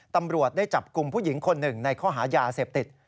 ตำรวจได้จับกลุ่มผู้หญิงคนหนึ่งในข้อหายาเสพติด